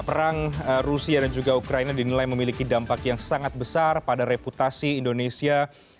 perang rusia dan juga ukraina dinilai memiliki dampak yang sangat besar pada reputasi indonesia